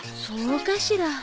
そうかしら？